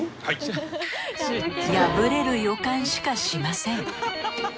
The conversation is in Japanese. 破れる予感しかしません